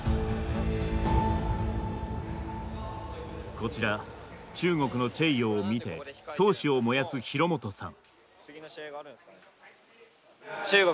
こちら中国のチェイヨーを見て闘志を燃やす廣本さん。